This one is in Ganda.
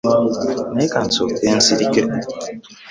Naye ka nsooke nsirike.